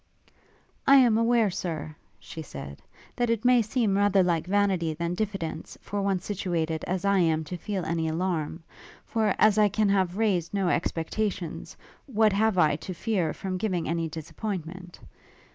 'I am aware, Sir,' she said, 'that it may seem rather like vanity than diffidence, for one situated as I am to feel any alarm; for as I can have raised no expectations, what have I to fear from giving any disappointment?